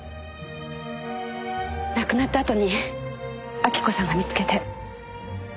亡くなったあとに晃子さんが見つけて。